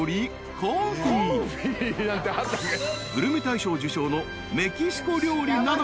［グルメ大賞受賞のメキシコ料理など］